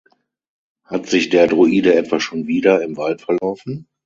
Hat sich der Druide etwa schon wieder im Wald verlaufen?